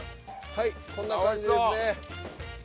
はいこんな感じですね。